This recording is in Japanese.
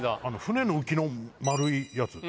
船の浮きの丸いやつ。